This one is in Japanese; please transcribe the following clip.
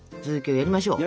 やりましょうか。